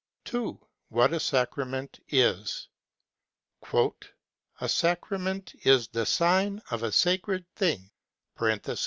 n. What a Sacrament is. "A sacrament is the sign of a sacred thing (res)."